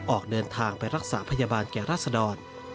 ออกเดินทางไปรักษาพยาบาลแก่ราษดร